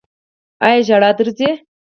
ایا ژړا درځي؟